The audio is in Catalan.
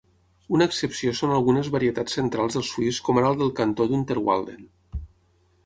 Una excepció són algunes varietats centrals del suís com ara el del cantó d'Unterwalden.